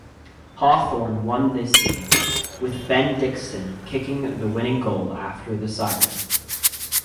Hawthorn won this game, with Ben Dixon kicking the winning goal after the siren.